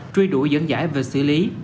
truy đuổi dẫn giải về xử lý